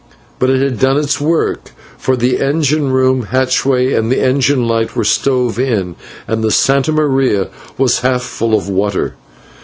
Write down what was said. But it had done its work, for the engine room hatchway and the cabin light were stove in, and the /Santa Maria/ was half full of water.